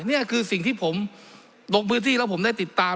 นี่คือสิ่งที่ผมลงพื้นที่แล้วผมได้ติดตาม